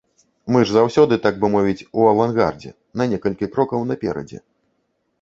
Мы ж заўсёды, так бы мовіць, у авангардзе, на некалькі крокаў наперадзе.